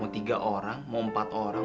aku mau tiga orang mau empat orang mau dua orang